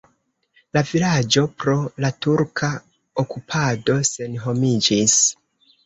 La vilaĝo pro la turka okupado senhomiĝis.